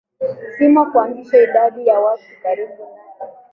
nzima kuanzisha idadi ya watu karibu na